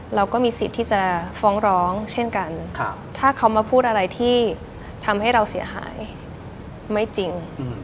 เราก็มีสิทธิ์ที่จะฟ้องร้องเช่นกันถ้าเขามาพูดอะไรที่ทำให้เราเสียหายไม่จริง